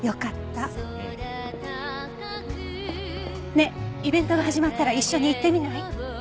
ねえイベントが始まったら一緒に行ってみない？